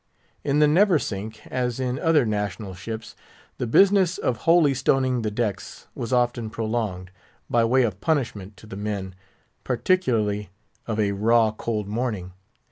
In the Neversink, as in other national ships, the business of holy stoning the decks was often prolonged, by way of punishment to the men, particularly of a raw, cold morning.